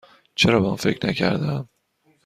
چرا به آن فکر نکردم؟